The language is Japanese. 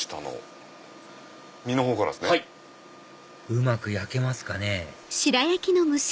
うまく焼けますかね